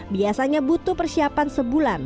biasanya butuh persiapan sebulan